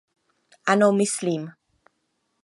Ano, myslím.